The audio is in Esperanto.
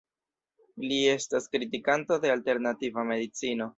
Li estas kritikanto de Alternativa medicino.